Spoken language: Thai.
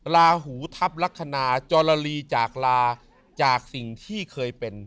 ลาหูทัพลักษณะจรลีจากลาจากสิ่งที่เคยเป็น